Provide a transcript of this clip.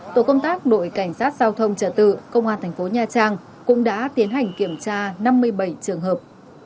tổ công tác đội cảnh sát giao thông trả tự công an thành phố nha trang cũng đã tiến hành kiểm tra năm mươi bảy trường hợp